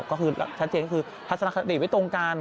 ก็คือชัดเจนก็คือทัศนคติไม่ตรงกัน